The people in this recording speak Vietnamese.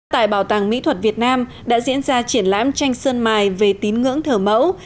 tại bảo tàng mỹ thuật việt nam đã diễn ra triển lãm tranh sơn mài về tín ngưỡng thờ mẫu